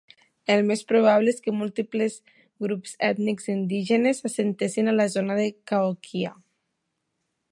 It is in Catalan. El més probable és que múltiples grups ètnics indígenes s'assentessin a la zona de Cahokia.